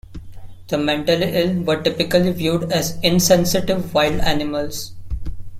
The mentally ill were typically viewed as insensitive wild animals.